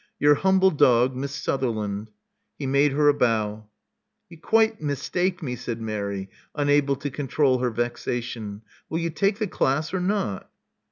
Your humble dog. Miss Sutherland. " He made her a bow. You quite mistake me," said Mary, unable to con trol her vexation. Will you take the class or not?"